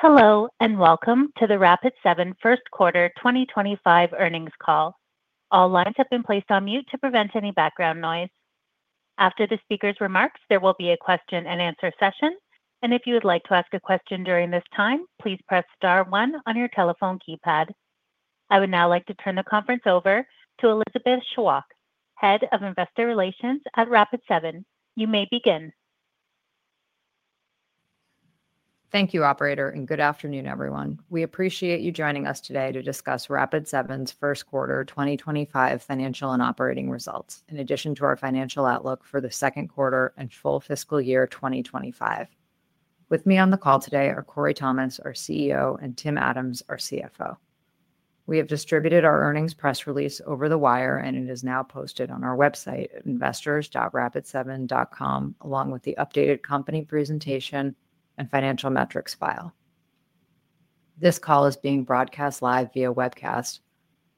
Hello, and welcome to the Rapid7 First Quarter 2025 earnings call. All lines have been placed on mute to prevent any background noise. After the speaker's remarks, there will be a question-and-answer session, and if you would like to ask a question during this time, please press star one on your telephone keypad. I would now like to turn the conference over to Elizabeth Chwalk, Head of Investor Relations at Rapid7. You may begin. Thank you, Operator, and good afternoon, everyone. We appreciate you joining us today to discuss Rapid7's first quarter 2025 financial and operating results, in addition to our financial outlook for the second quarter and full fiscal year 2025. With me on the call today are Corey Thomas, our CEO, and Tim Adams, our CFO. We have distributed our earnings press release over the wire, and it is now posted on our website at investors.rapid7.com, along with the updated company presentation and financial metrics file. This call is being broadcast live via webcast,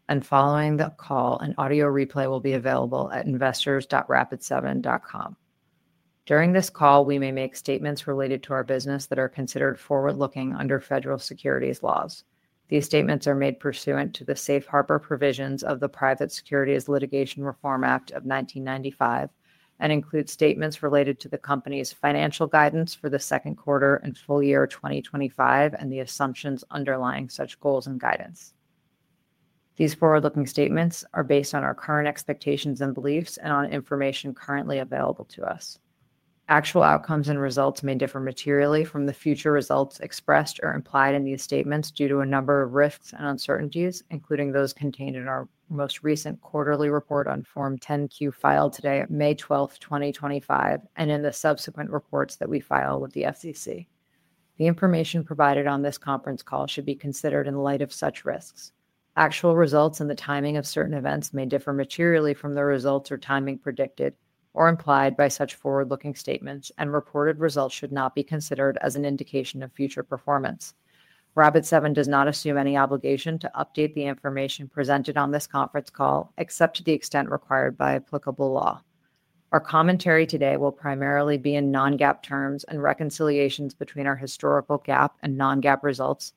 and following the call, an audio replay will be available at investors.rapid7.com. During this call, we may make statements related to our business that are considered forward-looking under federal securities laws. These statements are made pursuant to the Safe Harbor provisions of the Private Securities Litigation Reform Act of 1995 and include statements related to the company's financial guidance for the second quarter and full year 2025, and the assumptions underlying such goals and guidance. These forward-looking statements are based on our current expectations and beliefs and on information currently available to us. Actual outcomes and results may differ materially from the future results expressed or implied in these statements due to a number of risks and uncertainties, including those contained in our most recent quarterly report on Form 10-Q filed today at May 12th, 2025, and in the subsequent reports that we file with the SEC. The information provided on this conference call should be considered in light of such risks. Actual results and the timing of certain events may differ materially from the results or timing predicted or implied by such forward-looking statements, and reported results should not be considered as an indication of future performance. Rapid7 does not assume any obligation to update the information presented on this conference call, except to the extent required by applicable law. Our commentary today will primarily be in non-GAAP terms, and reconciliations between our historical GAAP and non-GAAP results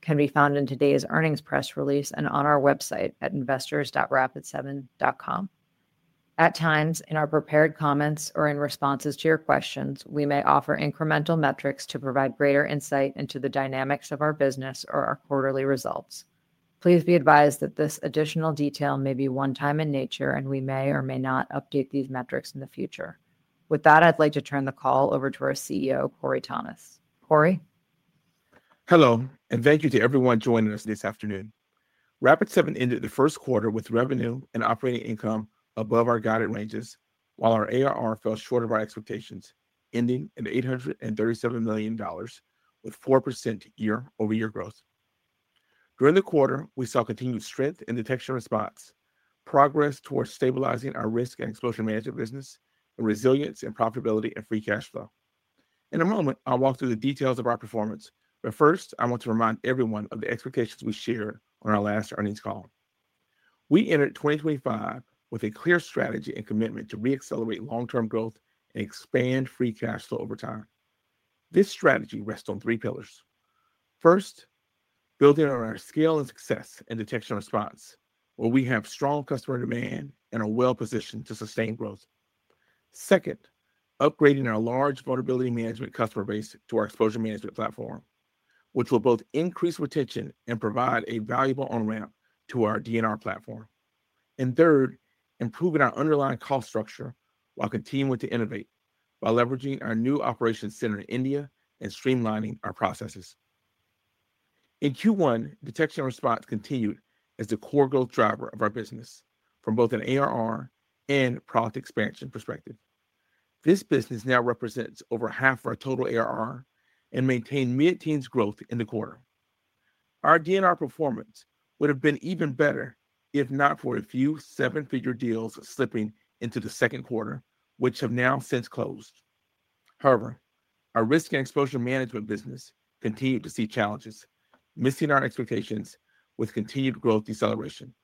can be found in today's earnings press release and on our website at investors.rapid7.com. At times, in our prepared comments or in responses to your questions, we may offer incremental metrics to provide greater insight into the dynamics of our business or our quarterly results. Please be advised that this additional detail may be one-time in nature, and we may or may not update these metrics in the future. With that, I'd like to turn the call over to our CEO, Corey Thomas. Corey? Hello, and thank you to everyone joining us this afternoon. Rapid7 ended the first quarter with revenue and operating income above our guided ranges, while our ARR fell short of our expectations, ending at $837 million, with 4% year-over-year growth. During the quarter, we saw continued strength in detection response, progress towards stabilizing our risk and exposure management business, and resilience and profitability and free cash flow. In a moment, I'll walk through the details of our performance, but first, I want to remind everyone of the expectations we shared on our last earnings call. We entered 2025 with a clear strategy and commitment to re-accelerate long-term growth and expand free cash flow over time. This strategy rests on three pillars. First, building on our scale and success in detection response, where we have strong customer demand and are well-positioned to sustain growth. Second, upgrading our large vulnerability management customer base to our exposure management platform, which will both increase retention and provide a valuable on-ramp to our DNR platform. Third, improving our underlying cost structure while continuing to innovate by leveraging our new operations center in India and streamlining our processes. In Q1, detection response continued as the core growth driver of our business from both an ARR and product expansion perspective. This business now represents over half of our total ARR and maintained mid-teens growth in the quarter. Our DNR performance would have been even better if not for a few seven-figure deals slipping into the second quarter, which have now since closed. However, our risk and exposure management business continued to see challenges, missing our expectations with continued growth deceleration.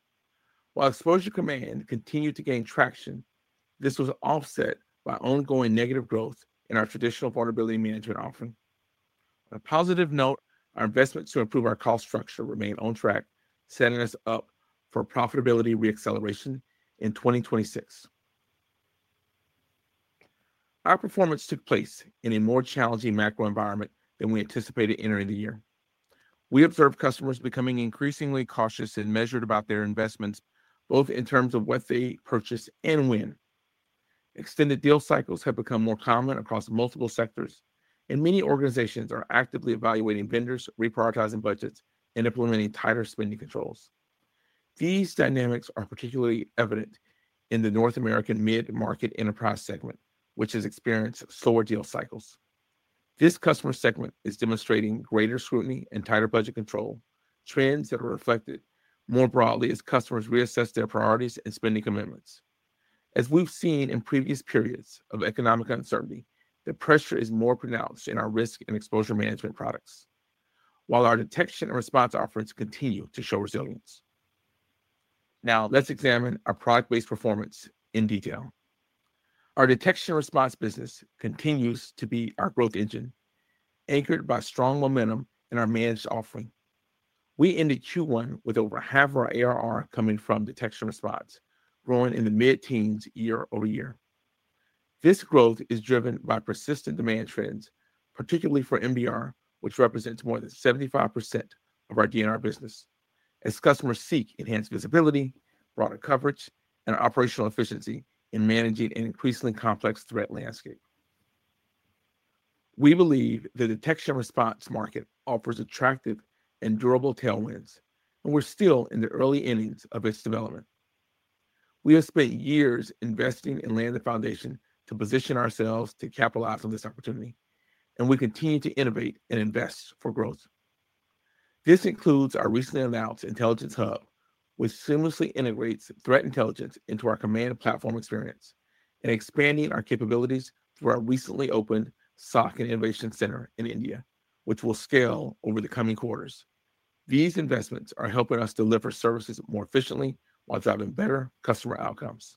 While Exposure Command continued to gain traction, this was offset by ongoing negative growth in our traditional Vulnerability Management offering. On a positive note, our investments to improve our cost structure remain on track, setting us up for profitability re-acceleration in 2026. Our performance took place in a more challenging macro environment than we anticipated entering the year. We observed customers becoming increasingly cautious and measured about their investments, both in terms of what they purchased and when. Extended deal cycles have become more common across multiple sectors, and many organizations are actively evaluating vendors, reprioritizing budgets, and implementing tighter spending controls. These dynamics are particularly evident in the North American mid-market enterprise segment, which has experienced slower deal cycles. This customer segment is demonstrating greater scrutiny and tighter budget control, trends that are reflected more broadly as customers reassess their priorities and spending commitments. As we've seen in previous periods of economic uncertainty, the pressure is more pronounced in our risk and exposure management products, while our detection and response offerings continue to show resilience. Now, let's examine our product-based performance in detail. Our detection response business continues to be our growth engine, anchored by strong momentum in our managed offering. We ended Q1 with over half of our ARR coming from detection response, growing in the mid-teens year-over-year. This growth is driven by persistent demand trends, particularly for MDR, which represents more than 75% of our DNR business, as customers seek enhanced visibility, broader coverage, and operational efficiency in managing an increasingly complex threat landscape. We believe the detection response market offers attractive and durable tailwinds, and we're still in the early innings of its development. We have spent years investing in laying the foundation to position ourselves to capitalize on this opportunity, and we continue to innovate and invest for growth. This includes our recently announced Intelligence Hub, which seamlessly integrates threat intelligence into our command platform experience and expanding our capabilities through our recently opened SOC and Innovation Center in India, which will scale over the coming quarters. These investments are helping us deliver services more efficiently while driving better customer outcomes.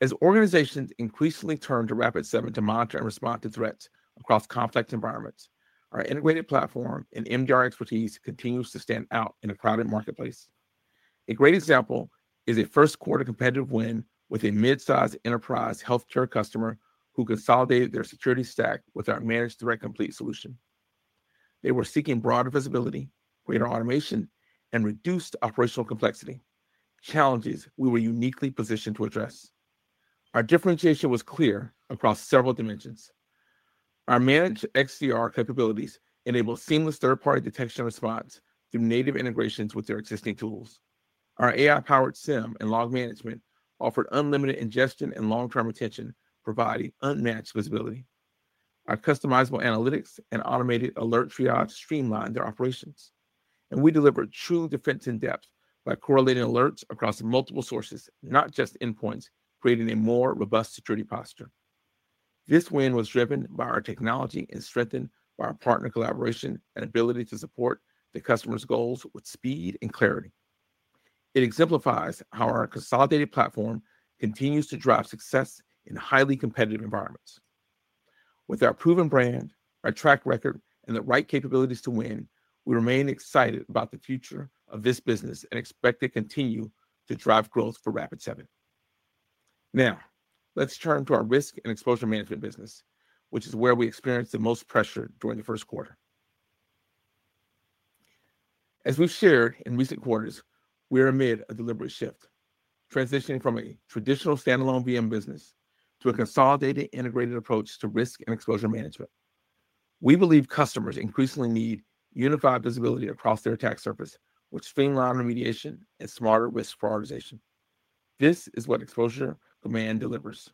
As organizations increasingly turn to Rapid7 to monitor and respond to threats across complex environments, our integrated platform and MDR expertise continues to stand out in a crowded marketplace. A great example is a first-quarter competitive win with a mid-size enterprise healthcare customer who consolidated their security stack with our Managed Threat Complete solution. They were seeking broader visibility, greater automation, and reduced operational complexity, challenges we were uniquely positioned to address. Our differentiation was clear across several dimensions. Our managed XDR capabilities enabled seamless third-party detection response through native integrations with their existing tools. Our AI-powered SIM and log management offered unlimited ingestion and long-term retention, providing unmatched visibility. Our customizable analytics and automated alert triage streamlined their operations, and we delivered true defense in depth by correlating alerts across multiple sources, not just endpoints, creating a more robust security posture. This win was driven by our technology and strengthened by our partner collaboration and ability to support the customer's goals with speed and clarity. It exemplifies how our consolidated platform continues to drive success in highly competitive environments. With our proven brand, our track record, and the right capabilities to win, we remain excited about the future of this business and expect to continue to drive growth for Rapid7. Now, let's turn to our risk and exposure management business, which is where we experienced the most pressure during the first quarter. As we've shared in recent quarters, we are amid a deliberate shift, transitioning from a traditional standalone VM business to a consolidated integrated approach to risk and exposure management. We believe customers increasingly need unified visibility across their attack surface, which streamlines remediation and smarter risk prioritization. This is what Exposure Command delivers,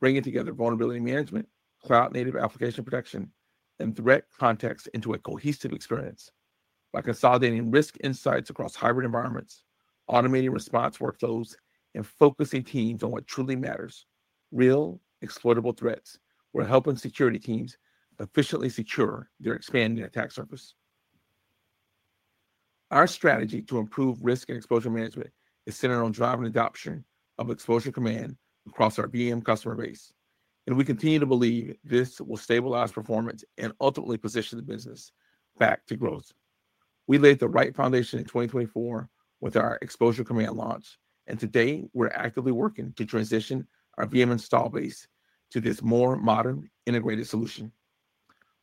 bringing together vulnerability management, cloud-native application protection, and threat context into a cohesive experience by consolidating risk insights across hybrid environments, automating response workflows, and focusing teams on what truly matters: real, exploitable threats, while helping security teams efficiently secure their expanding attack surface. Our strategy to improve risk and exposure management is centered on driving adoption of Exposure Command across our VM customer base, and we continue to believe this will stabilize performance and ultimately position the business back to growth. We laid the right foundation in 2024 with our Exposure Command launch, and today we're actively working to transition our VM install base to this more modern integrated solution.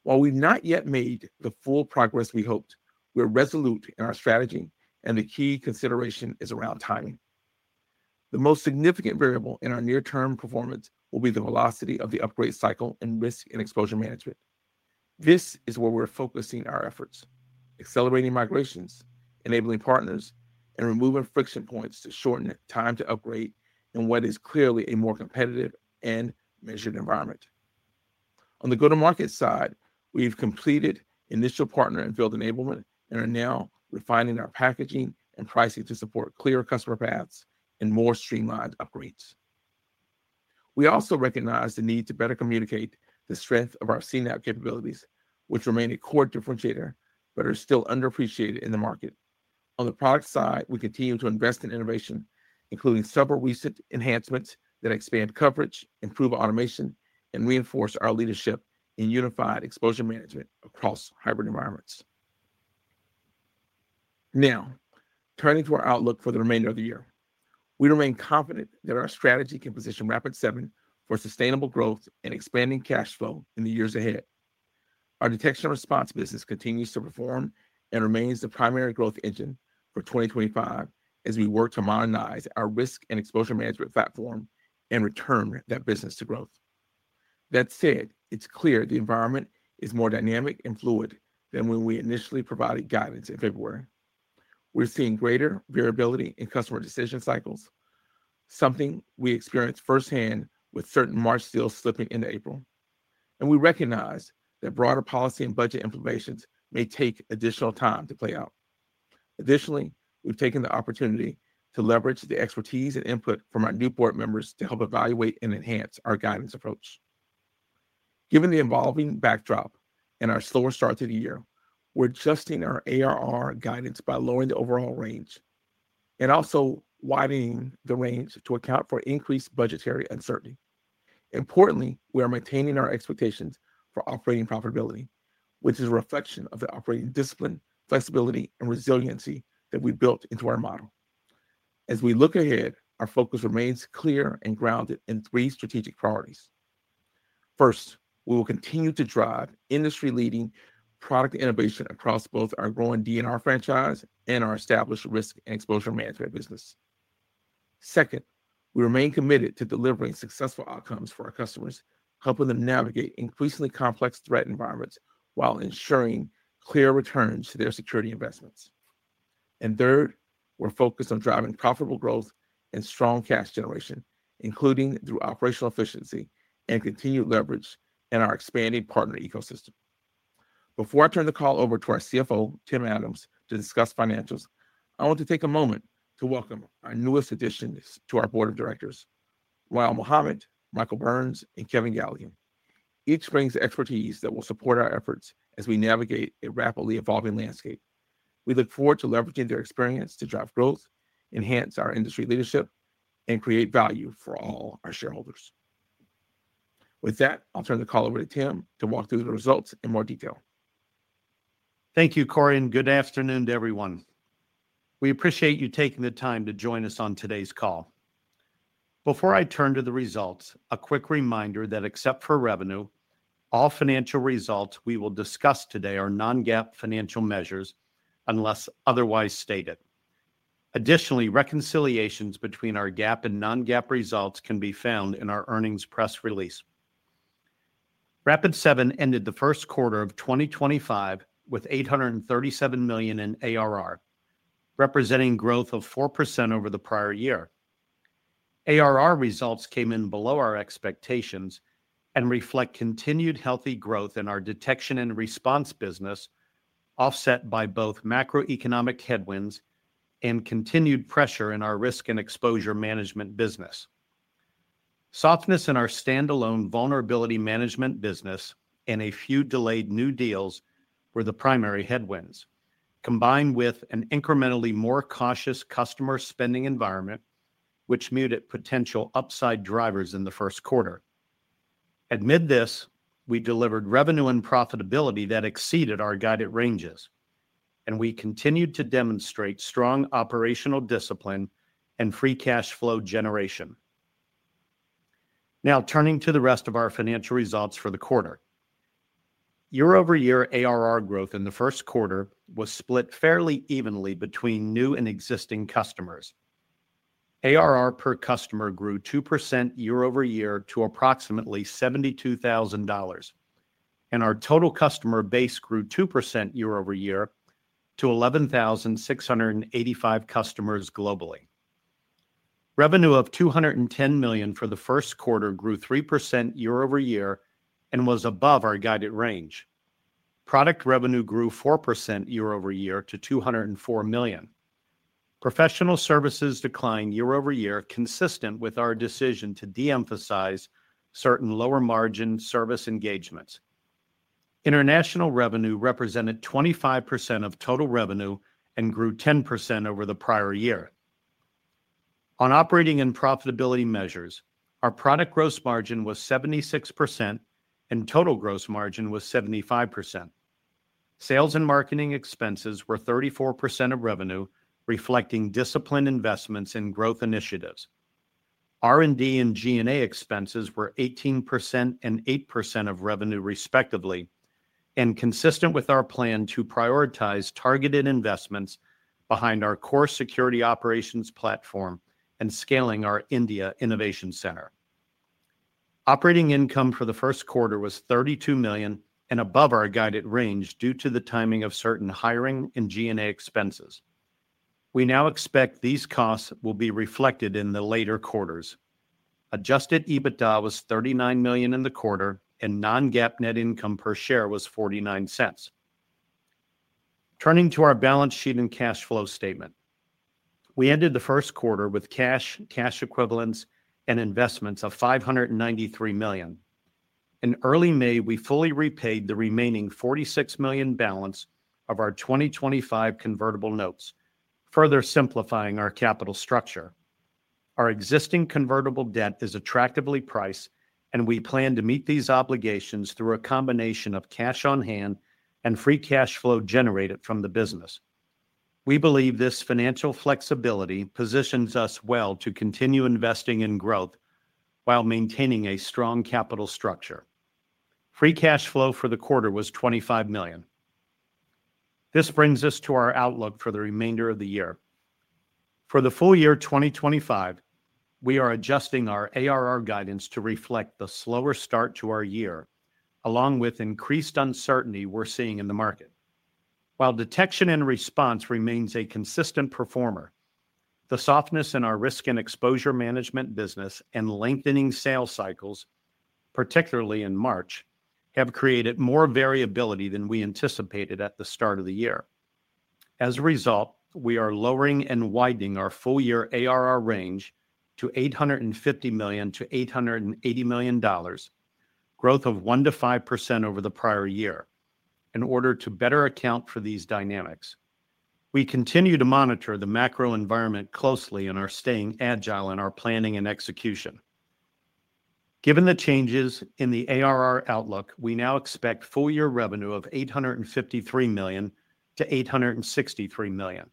While we've not yet made the full progress we hoped, we're resolute in our strategy, and the key consideration is around timing. The most significant variable in our near-term performance will be the velocity of the upgrade cycle and risk and exposure management. This is where we're focusing our efforts: accelerating migrations, enabling partners, and removing friction points to shorten time to upgrade in what is clearly a more competitive and measured environment. On the go-to-market side, we have completed initial partner and field enablement and are now refining our packaging and pricing to support clearer customer paths and more streamlined upgrades. We also recognize the need to better communicate the strength of our CNAPP capabilities, which remain a core differentiator but are still underappreciated in the market. On the product side, we continue to invest in innovation, including several recent enhancements that expand coverage, improve automation, and reinforce our leadership in unified exposure management across hybrid environments. Now, turning to our outlook for the remainder of the year, we remain confident that our strategy can position Rapid7 for sustainable growth and expanding cash flow in the years ahead. Our detection response business continues to perform and remains the primary growth engine for 2025 as we work to modernize our risk and exposure management platform and return that business to growth. That said, it's clear the environment is more dynamic and fluid than when we initially provided guidance in February. We're seeing greater variability in customer decision cycles, something we experienced firsthand with certain March deals slipping into April, and we recognize that broader policy and budget implications may take additional time to play out. Additionally, we've taken the opportunity to leverage the expertise and input from our new board members to help evaluate and enhance our guidance approach. Given the evolving backdrop and our slower start to the year, we're adjusting our ARR guidance by lowering the overall range and also widening the range to account for increased budgetary uncertainty. Importantly, we are maintaining our expectations for operating profitability, which is a reflection of the operating discipline, flexibility, and resiliency that we built into our model. As we look ahead, our focus remains clear and grounded in three strategic priorities. First, we will continue to drive industry-leading product innovation across both our growing DNR franchise and our established risk and exposure management business. Second, we remain committed to delivering successful outcomes for our customers, helping them navigate increasingly complex threat environments while ensuring clear returns to their security investments. Third, we're focused on driving profitable growth and strong cash generation, including through operational efficiency and continued leverage in our expanding partner ecosystem. Before I turn the call over to our CFO, Tim Adams, to discuss financials, I want to take a moment to welcome our newest addition to our board of directors, Ryle Muhammad, Michael Burns, and Kevin Gallagher. Each brings expertise that will support our efforts as we navigate a rapidly evolving landscape. We look forward to leveraging their experience to drive growth, enhance our industry leadership, and create value for all our shareholders. With that, I'll turn the call over to Tim to walk through the results in more detail. Thank you, Corey. And good afternoon to everyone. We appreciate you taking the time to join us on today's call. Before I turn to the results, a quick reminder that except for revenue, all financial results we will discuss today are non-GAAP financial measures unless otherwise stated. Additionally, reconciliations between our GAAP and non-GAAP results can be found in our earnings press release. Rapid7 ended the first quarter of 2025 with $837 million in ARR, representing growth of 4% over the prior year. ARR results came in below our expectations and reflect continued healthy growth in our detection and response business, offset by both macroeconomic headwinds and continued pressure in our risk and exposure management business. Softness in our standalone vulnerability management business and a few delayed new deals were the primary headwinds, combined with an incrementally more cautious customer spending environment, which muted potential upside drivers in the first quarter. Amid this, we delivered revenue and profitability that exceeded our guided ranges, and we continued to demonstrate strong operational discipline and free cash flow generation. Now, turning to the rest of our financial results for the quarter, year-over-year ARR growth in the first quarter was split fairly evenly between new and existing customers. ARR per customer grew 2% year-over-year to approximately $72,000, and our total customer base grew 2% year-over-year to 11,685 customers globally. Revenue of $210 million for the first quarter grew 3% year-over-year and was above our guided range. Product revenue grew 4% year-over-year to $204 million. Professional services declined year-over-year, consistent with our decision to de-emphasize certain lower-margin service engagements. International revenue represented 25% of total revenue and grew 10% over the prior year. On operating and profitability measures, our product gross margin was 76% and total gross margin was 75%. Sales and marketing expenses were 34% of revenue, reflecting disciplined investments in growth initiatives. R&D and G&A expenses were 18% and 8% of revenue, respectively, and consistent with our plan to prioritize targeted investments behind our core security operations platform and scaling our India Innovation Center. Operating income for the first quarter was $32 million and above our guided range due to the timing of certain hiring and G&A expenses. We now expect these costs will be reflected in the later quarters. Adjusted EBITDA was $39 million in the quarter, and non-GAAP net income per share was $0.49. Turning to our balance sheet and cash flow statement, we ended the first quarter with cash, cash equivalents, and investments of $593 million. In early May, we fully repaid the remaining $46 million balance of our 2025 convertible notes, further simplifying our capital structure. Our existing convertible debt is attractively priced, and we plan to meet these obligations through a combination of cash on hand and free cash flow generated from the business. We believe this financial flexibility positions us well to continue investing in growth while maintaining a strong capital structure. Free cash flow for the quarter was $25 million. This brings us to our outlook for the remainder of the year. For the full year 2025, we are adjusting our ARR guidance to reflect the slower start to our year, along with increased uncertainty we're seeing in the market. While detection and response remains a consistent performer, the softness in our risk and exposure management business and lengthening sales cycles, particularly in March, have created more variability than we anticipated at the start of the year. As a result, we are lowering and widening our full year ARR range to $850 million-$880 million, growth of 1%-5% over the prior year, in order to better account for these dynamics. We continue to monitor the macro environment closely and are staying agile in our planning and execution. Given the changes in the ARR outlook, we now expect full year revenue of $853 million-$863 million,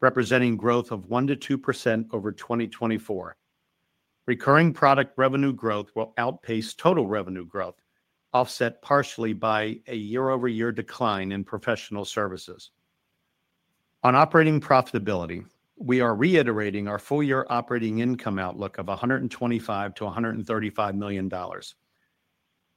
representing growth of 1%-2% over 2024. Recurring product revenue growth will outpace total revenue growth, offset partially by a year-over-year decline in professional services. On operating profitability, we are reiterating our full year operating income outlook of $125 million-$135 million.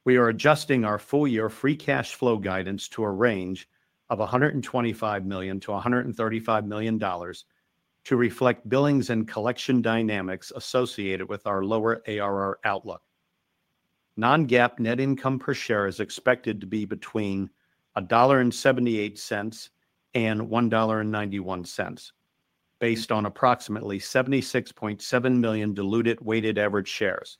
We are adjusting our full year free cash flow guidance to a range of $125 million-$135 million to reflect billings and collection dynamics associated with our lower ARR outlook. Non-GAAP net income per share is expected to be between $1.78 and $1.91, based on approximately 76.7 million diluted weighted average shares.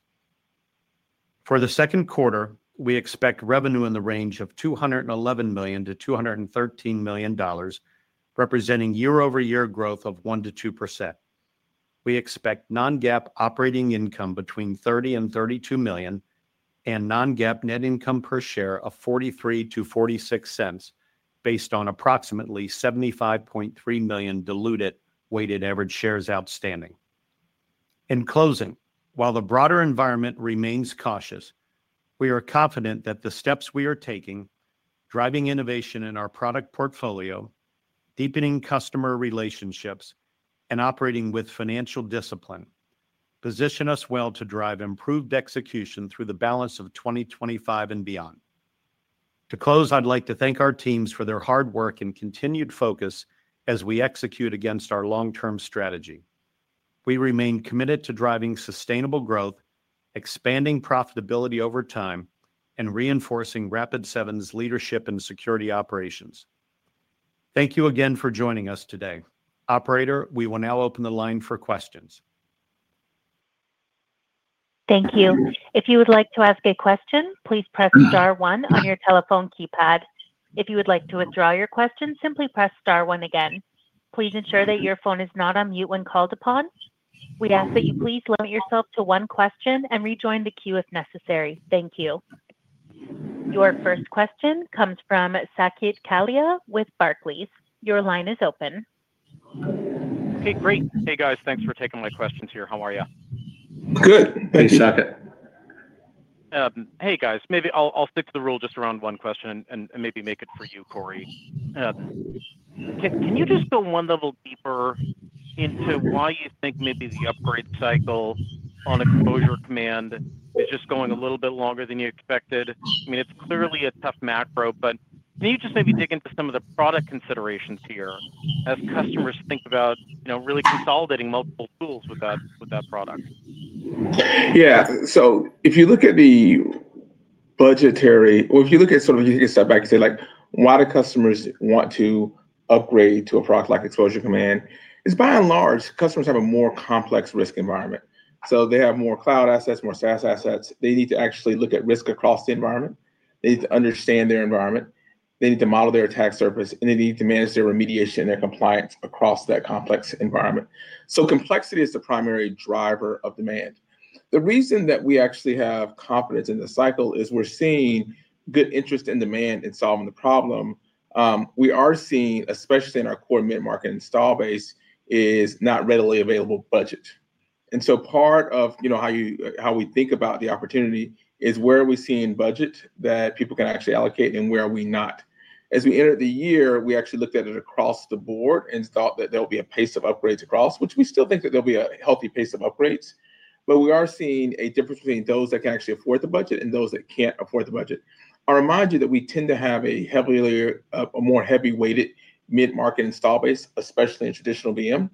For the second quarter, we expect revenue in the range of $211 million-$213 million, representing year-over-year growth of 1%-2%. We expect non-GAAP operating income between $30 million-$32 million and non-GAAP net income per share of $0.43-$0.46, based on approximately 75.3 million diluted weighted average shares outstanding. In closing, while the broader environment remains cautious, we are confident that the steps we are taking, driving innovation in our product portfolio, deepening customer relationships, and operating with financial discipline position us well to drive improved execution through the balance of 2025 and beyond. To close, I'd like to thank our teams for their hard work and continued focus as we execute against our long-term strategy. We remain committed to driving sustainable growth, expanding profitability over time, and reinforcing Rapid7's leadership in security operations. Thank you again for joining us today. Operator, we will now open the line for questions. Thank you. If you would like to ask a question, please press Star 1 on your telephone keypad. If you would like to withdraw your question, simply press Star 1 again. Please ensure that your phone is not on mute when called upon. We ask that you please limit yourself to one question and rejoin the queue if necessary. Thank you. Your first question comes from Saket Kalia with Barclays. Your line is open. Okay, great. Hey, guys. Thanks for taking my questions here. How are you? Good. Thanks, Sakit. Hey, guys. Maybe I'll stick to the rule just around one question and maybe make it for you, Corey. Can you just go one level deeper into why you think maybe the upgrade cycle on Exposure Command is just going a little bit longer than you expected? I mean, it's clearly a tough macro, but can you just maybe dig into some of the product considerations here as customers think about really consolidating multiple tools with that product? Yeah. If you look at the budgetary or if you look at sort of if you take a step back and say, like, why do customers want to upgrade to a product like Exposure Command? It's by and large, customers have a more complex risk environment. They have more cloud assets, more SaaS assets. They need to actually look at risk across the environment. They need to understand their environment. They need to model their attack surface, and they need to manage their remediation and their compliance across that complex environment. Complexity is the primary driver of demand. The reason that we actually have confidence in the cycle is we're seeing good interest in demand in solving the problem. What we are seeing, especially in our core mid-market install base, is not readily available budget. Part of how we think about the opportunity is where are we seeing budget that people can actually allocate and where are we not? As we entered the year, we actually looked at it across the board and thought that there will be a pace of upgrades across, which we still think that there will be a healthy pace of upgrades. We are seeing a difference between those that can actually afford the budget and those that cannot afford the budget. I'll remind you that we tend to have a heavily more heavy-weighted mid-market install base, especially in traditional VM.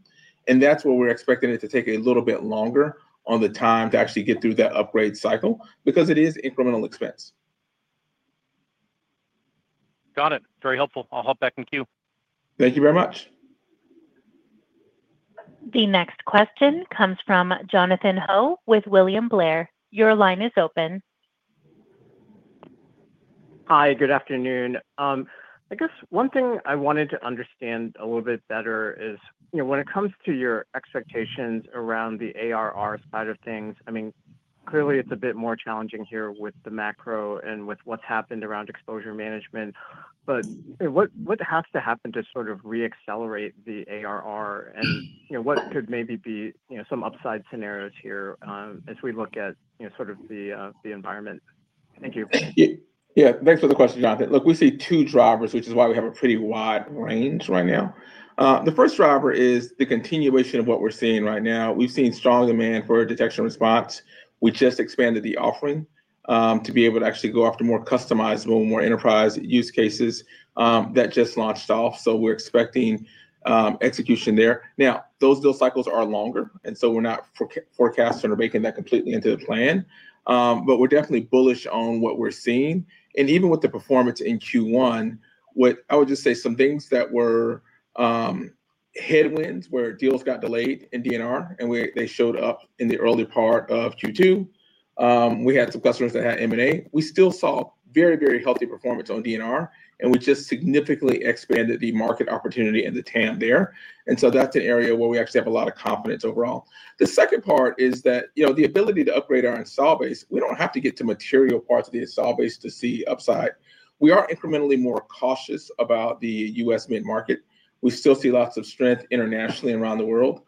That is where we are expecting it to take a little bit longer on the time to actually get through that upgrade cycle because it is incremental expense. Got it. Very helpful. I'll hop back in queue. Thank you very much. The next question comes from Jonathan Ho with William Blair. Your line is open. Hi. Good afternoon. I guess one thing I wanted to understand a little bit better is when it comes to your expectations around the ARR side of things, I mean, clearly it's a bit more challenging here with the macro and with what's happened around exposure management. What has to happen to sort of re-accelerate the ARR? What could maybe be some upside scenarios here as we look at sort of the environment? Thank you. Yeah. Thanks for the question, Jonathan. Look, we see two drivers, which is why we have a pretty wide range right now. The first driver is the continuation of what we're seeing right now. We've seen strong demand for detection and response. We just expanded the offering to be able to actually go after more customizable, more enterprise use cases that just launched off. We are expecting execution there. Now, those deal cycles are longer, and we are not forecasting or making that completely into the plan. We are definitely bullish on what we are seeing. Even with the performance in Q1, I would just say some things that were headwinds where deals got delayed in DNR, and they showed up in the early part of Q2. We had some customers that had M&A. We still saw very, very healthy performance on DNR, and we just significantly expanded the market opportunity and the TAM there. That is an area where we actually have a lot of confidence overall. The second part is that the ability to upgrade our install base, we do not have to get to material parts of the install base to see upside. We are incrementally more cautious about the U.S. mid-market. We still see lots of strength internationally and around the world.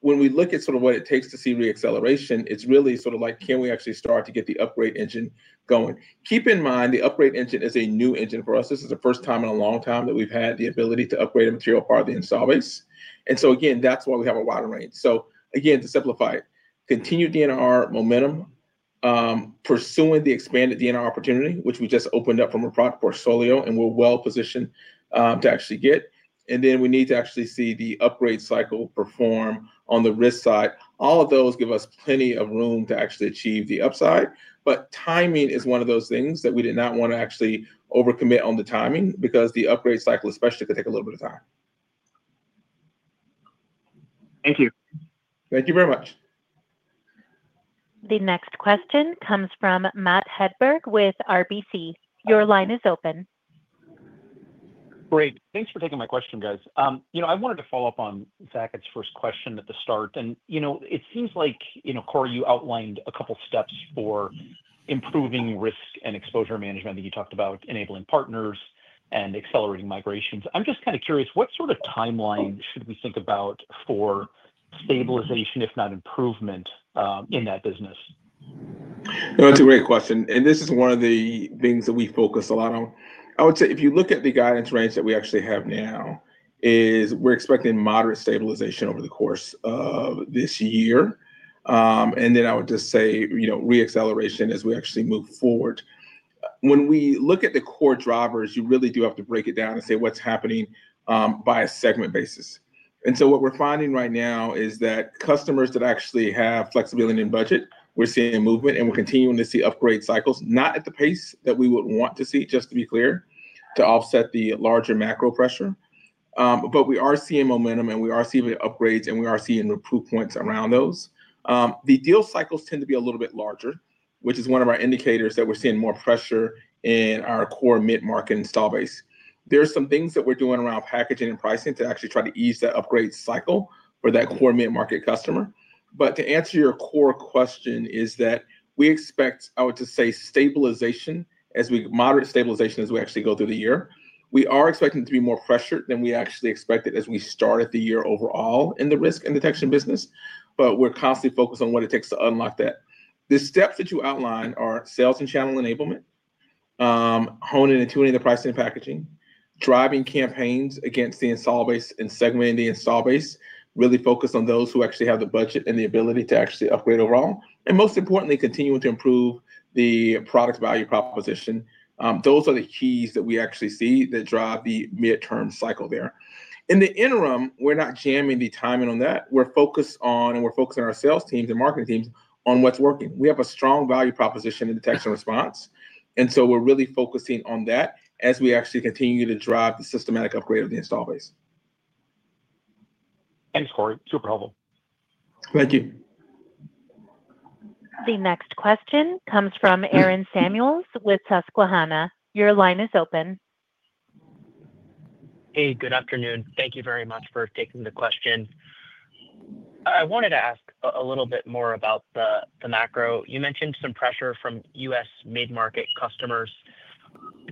When we look at sort of what it takes to see re-acceleration, it is really sort of like, can we actually start to get the upgrade engine going? Keep in mind, the upgrade engine is a new engine for us. This is the first time in a long time that we have had the ability to upgrade a material part of the install base. Again, that is why we have a wide range. To simplify, continued DNR momentum, pursuing the expanded DNR opportunity, which we just opened up from a product portfolio, and we are well positioned to actually get. Then we need to actually see the upgrade cycle perform on the risk side. All of those give us plenty of room to actually achieve the upside. Timing is one of those things that we did not want to actually overcommit on the timing because the upgrade cycle, especially, could take a little bit of time. Thank you. Thank you very much. The next question comes from Matt Hedberg with RBC. Your line is open. Great. Thanks for taking my question, guys. I wanted to follow up on Sakit's first question at the start. It seems like, Corey, you outlined a couple of steps for improving risk and exposure management that you talked about, enabling partners and accelerating migrations. I'm just kind of curious, what sort of timeline should we think about for stabilization, if not improvement, in that business? That's a great question. This is one of the things that we focus a lot on. I would say if you look at the guidance range that we actually have now, we're expecting moderate stabilization over the course of this year. I would just say re-acceleration as we actually move forward. When we look at the core drivers, you really do have to break it down and say what's happening by a segment basis. What we're finding right now is that customers that actually have flexibility in budget, we're seeing movement, and we're continuing to see upgrade cycles, not at the pace that we would want to see, just to be clear, to offset the larger macro pressure. We are seeing momentum, and we are seeing the upgrades, and we are seeing the proof points around those. The deal cycles tend to be a little bit larger, which is one of our indicators that we're seeing more pressure in our core mid-market install base. There are some things that we're doing around packaging and pricing to actually try to ease that upgrade cycle for that core mid-market customer. To answer your core question, we expect, I would say, stabilization as we moderate stabilization as we actually go through the year. We are expecting to be more pressured than we actually expected as we started the year overall in the risk and detection business, but we're constantly focused on what it takes to unlock that. The steps that you outline are sales and channel enablement, honing and tuning the pricing and packaging, driving campaigns against the install base, and segmenting the install base, really focus on those who actually have the budget and the ability to actually upgrade overall. Most importantly, continuing to improve the product value proposition. Those are the keys that we actually see that drive the midterm cycle there. In the interim, we're not jamming the timing on that. We're focused on, and we're focusing on our sales teams and marketing teams on what's working. We have a strong value proposition in detection and response. We're really focusing on that as we actually continue to drive the systematic upgrade of the install base. Thanks, Corey. Super helpful. Thank you. The next question comes from Aaron Samuels with Susquehanna. Your line is open. Hey, good afternoon. Thank you very much for taking the question. I wanted to ask a little bit more about the macro. You mentioned some pressure from U.S. mid-market customers.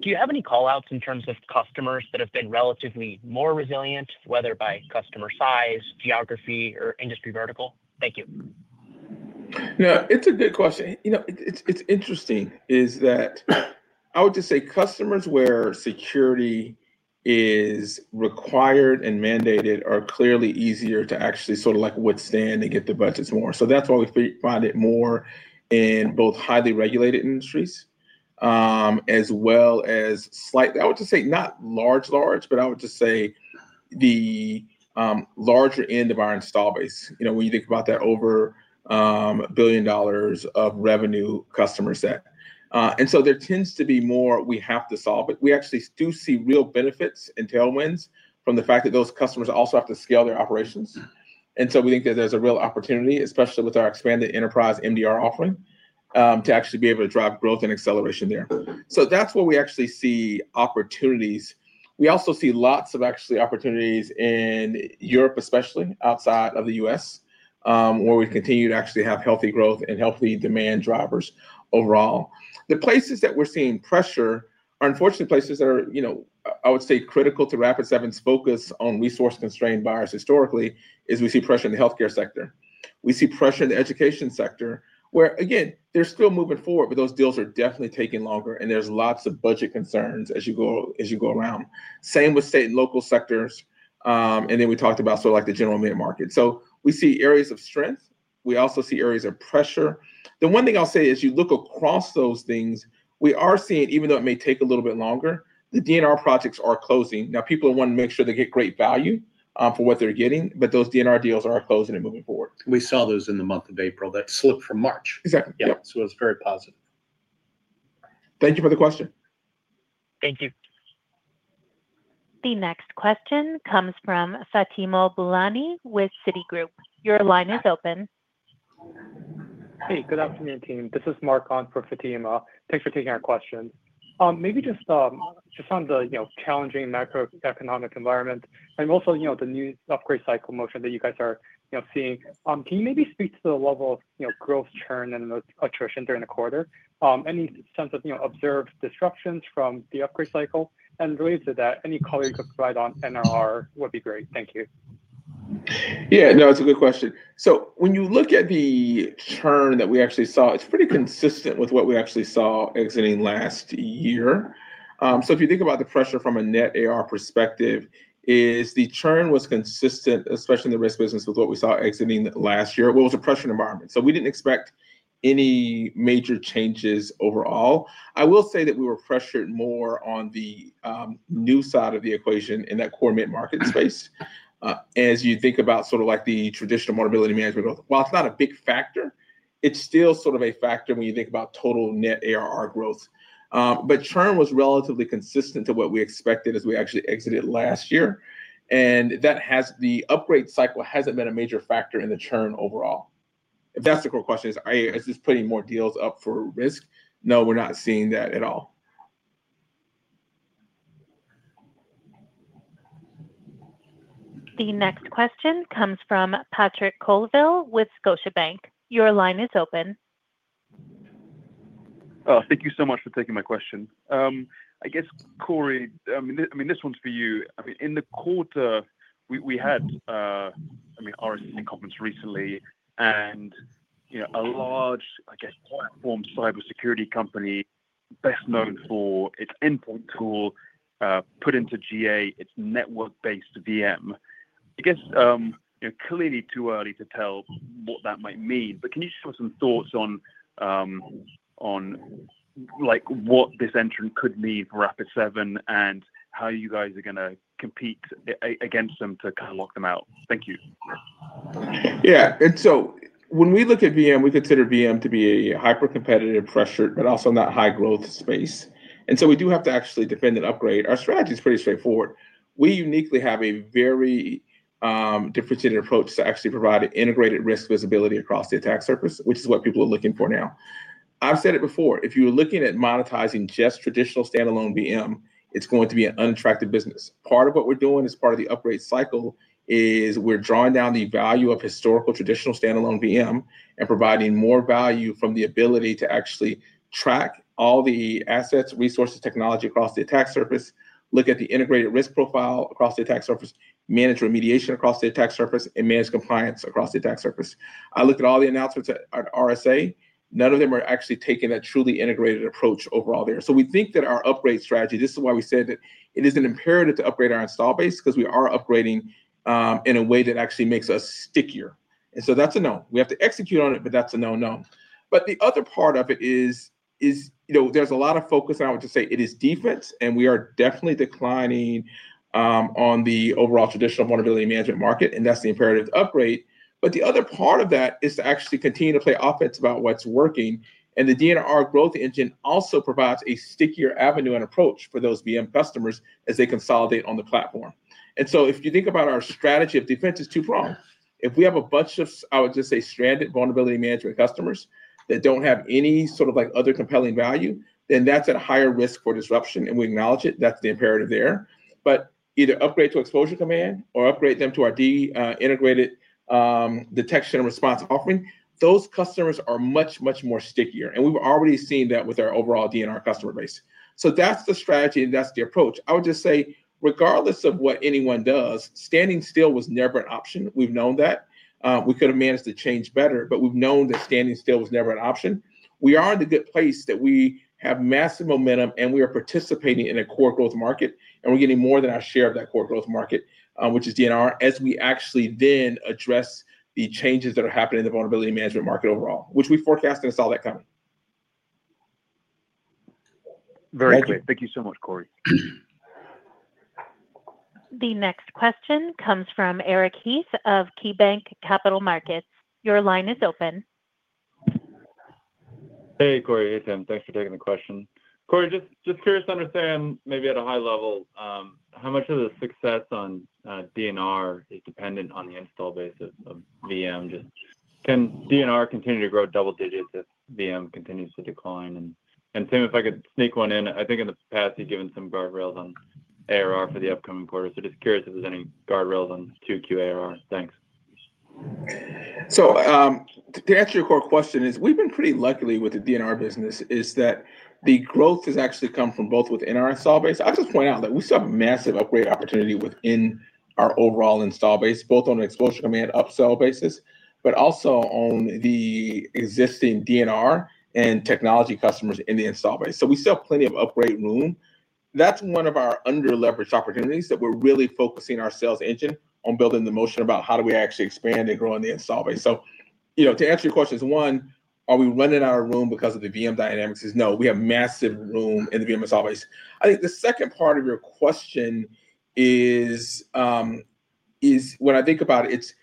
Do you have any callouts in terms of customers that have been relatively more resilient, whether by customer size, geography, or industry vertical? Thank you. Yeah. It's a good question. It's interesting is that I would just say customers where security is required and mandated are clearly easier to actually sort of withstand and get the budgets more. So that's why we find it more in both highly regulated industries as well as slight, I would just say not large, large, but I would just say the larger end of our install base. When you think about that over a billion dollars of revenue customer set. And so there tends to be more we have to solve it. We actually do see real benefits and tailwinds from the fact that those customers also have to scale their operations. We think that there is a real opportunity, especially with our expanded enterprise MDR offering, to actually be able to drive growth and acceleration there. That is where we actually see opportunities. We also see lots of actually opportunities in Europe, especially outside of the U.S., where we continue to actually have healthy growth and healthy demand drivers overall. The places that we are seeing pressure are, unfortunately, places that are, I would say, critical to Rapid7's focus on resource-constrained buyers historically, as we see pressure in the healthcare sector. We see pressure in the education sector where, again, they are still moving forward, but those deals are definitely taking longer, and there are lots of budget concerns as you go around. Same with state and local sectors. We talked about sort of like the general mid-market. We see areas of strength. We also see areas of pressure. The one thing I'll say is you look across those things, we are seeing, even though it may take a little bit longer, the DNR projects are closing. Now, people want to make sure they get great value for what they're getting, but those DNR deals are closing and moving forward. We saw those in the month of April that slipped from March. Exactly. Yep. It was very positive. Thank you for the question. Thank you. The next question comes from Fatimo Bulani with Citigroup. Your line is open. Hey, good afternoon, team. This is Mark Owens for Fatimo. Thanks for taking our questions. Maybe just on the challenging macroeconomic environment and also the new upgrade cycle motion that you guys are seeing, can you maybe speak to the level of growth, churn, and attrition during the quarter? Any sense of observed disruptions from the upgrade cycle? Related to that, any color you could provide on NRR would be great. Thank you. Yeah. No, it's a good question. When you look at the churn that we actually saw, it's pretty consistent with what we actually saw exiting last year. If you think about the pressure from a net ARR perspective, the churn was consistent, especially in the risk business, with what we saw exiting last year. It was a pressured environment. We did not expect any major changes overall. I will say that we were pressured more on the new side of the equation in that core mid-market space. As you think about sort of like the traditional vulnerability management, while it's not a big factor, it's still sort of a factor when you think about total net ARR growth. Churn was relatively consistent to what we expected as we actually exited last year. The upgrade cycle hasn't been a major factor in the churn overall. If that's the core question, is this putting more deals up for risk? No, we're not seeing that at all. The next question comes from Patrick Colville with Scotiabank. Your line is open. Thank you so much for taking my question. I guess, Corey, I mean, this one's for you. I mean, in the quarter, we had RSA conference recently, and a large, I guess, platform cybersecurity company best known for its endpoint tool put into GA its network-based VM. I guess clearly too early to tell what that might mean. Can you just give us some thoughts on what this entrant could mean for Rapid7 and how you guys are going to compete against them to kind of lock them out? Thank you. Yeah. When we look at VM, we consider VM to be a hyper-competitive pressure, but also not a high growth space. We do have to actually defend and upgrade. Our strategy is pretty straightforward. We uniquely have a very differentiated approach to actually provide integrated risk visibility across the attack surface, which is what people are looking for now. I've said it before. If you're looking at monetizing just traditional standalone VM, it's going to be an unattractive business. Part of what we're doing as part of the upgrade cycle is we're drawing down the value of historical traditional standalone VM and providing more value from the ability to actually track all the assets, resources, technology across the attack surface, look at the integrated risk profile across the attack surface, manage remediation across the attack surface, and manage compliance across the attack surface. I looked at all the announcements at RSA. None of them are actually taking that truly integrated approach overall there. We think that our upgrade strategy, this is why we said that it is an imperative to upgrade our install base because we are upgrading in a way that actually makes us stickier. That is a no. We have to execute on it, but that's a no-no. The other part of it is there is a lot of focus on, I would just say, it is defense, and we are definitely declining on the overall traditional vulnerability management market, and that is the imperative to upgrade. The other part of that is to actually continue to play offense about what is working. The DNR growth engine also provides a stickier avenue and approach for those VM customers as they consolidate on the platform. If you think about our strategy of defense, it is too broad. If we have a bunch of, I would just say, stranded vulnerability management customers that do not have any sort of other compelling value, then that is at a higher risk for disruption. We acknowledge it. That is the imperative there. Either upgrade to Exposure Command or upgrade them to our de-integrated detection and response offering, those customers are much, much more stickier. We have already seen that with our overall DNR customer base. That is the strategy, and that is the approach. I would just say, regardless of what anyone does, standing still was never an option. We have known that. We could have managed to change better, but we have known that standing still was never an option. We are in the good place that we have massive momentum, and we are participating in a core growth market, and we are getting more than our share of that core growth market, which is DNR, as we actually then address the changes that are happening in the vulnerability management market overall, which we forecast and saw that coming. Very good. Thank you so much, Corey. The next question comes from Eric Heath of KeyBank Capital Markets. Your line is open. Hey, Corey. Hey, Tim. Thanks for taking the question. Corey, just curious to understand, maybe at a high level, how much of the success on DNR is dependent on the install basis of VM? Just can DNR continue to grow double digits if VM continues to decline? And Tim, if I could sneak one in, I think in the past you've given some guardrails on ARR for the upcoming quarter. Just curious if there's any guardrails on 2Q ARR. Thanks. To answer your core question, we've been pretty lucky with the DNR business is that the growth has actually come from both within our install base. I'll just point out that we saw a massive upgrade opportunity within our overall install base, both on the Exposure Command upsell basis, but also on the existing DNR and technology customers in the install base. We still have plenty of upgrade room. That's one of our under-leveraged opportunities that we're really focusing our sales engine on, building the motion about how do we actually expand and grow on the install base. To answer your questions, one, are we running out of room because of the VM dynamics? No, we have massive room in the VM install base. I think the second part of your question is, when I think about it, it's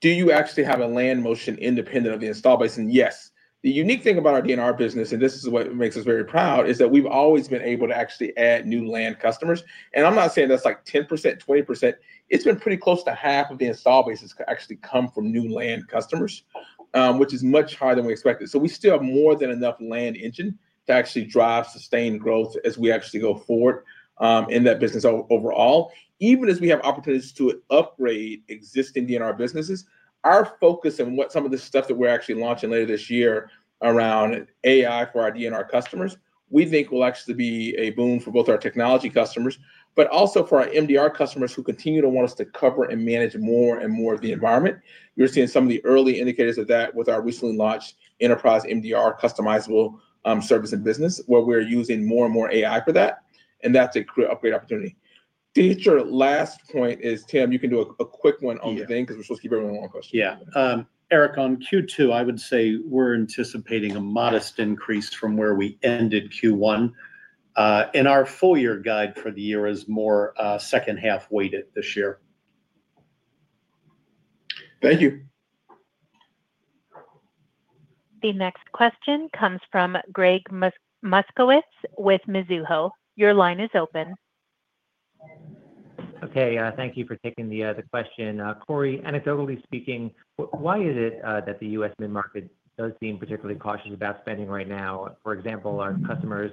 do you actually have a land motion independent of the install base? Yes. The unique thing about our DNR business, and this is what makes us very proud, is that we've always been able to actually add new land customers. I'm not saying that's like 10% or 20%. It's been pretty close to half of the install base has actually come from new land customers, which is much higher than we expected. We still have more than enough land engine to actually drive sustained growth as we go forward in that business overall. Even as we have opportunities to upgrade existing DNR businesses, our focus and what some of the stuff that we're launching later this year around AI for our DNR customers, we think will actually be a boon for both our technology customers, but also for our MDR customers who continue to want us to cover and manage more and more of the environment. You're seeing some of the early indicators of that with our recently launched enterprise MDR customizable service and business, where we're using more and more AI for that. That's a great upgrade opportunity. Dietrich, your last point is, Tim, you can do a quick one on the thing because we're supposed to keep everyone on one question. Yeah. Eric, on Q2, I would say we're anticipating a modest increase from where we ended Q1. Our full year guide for the year is more second half weighted this year. Thank you. The next question comes from Greg Muskowitz with Mizuho. Your line is open. Okay. Thank you for taking the question. Corey, anecdotally speaking, why is it that the U.S. mid-market does seem particularly cautious about spending right now? For example, are customers